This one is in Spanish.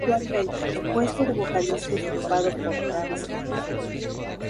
Actualmente, el puesto de vocalista es ocupado por Travis Neil.